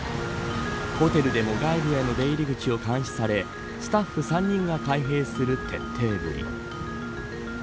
ホテルでも外部への出入り口を監視されスタッフ３人が開閉する徹底ぶり。